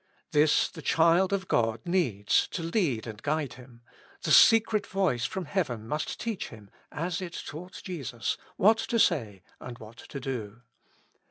This the child of God needs to lead and guide him; the secret voice from heaven must teach him, as it taught Jesus, what to say and what to do.